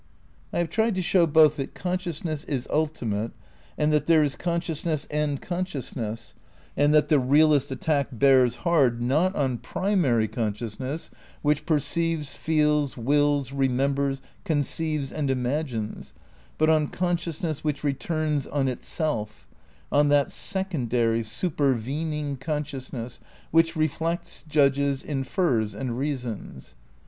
I have tried to show both that consciousness is ulti mate and that there is consciousness and conscious ness, and that the realist attack bears hard, not on primary consciousness which perceives, feels, wills, remembers, conceives and imagines, but on conscious ness which returns on itself, on that secondary, super vening consciousness which reflects, judges, infers and reasons.